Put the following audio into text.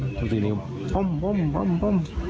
มันต้องสิ่งนี้ปั๊มปั๊มปั๊มปั๊ม